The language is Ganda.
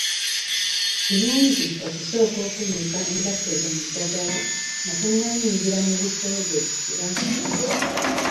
Kirungi okusooka okunnyika engatto zo mu ddaggala nga tonnayingira mu bisolo gye bisula.